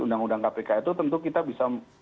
undang undang kpk itu tentu kita bisa